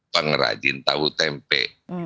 pengrajin tahu tempe